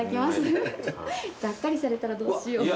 がっかりされたらどうしよう。